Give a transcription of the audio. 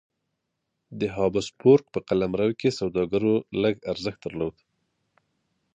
د هابسبورګ په قلمرو کې سوداګرو لږ ارزښت درلود.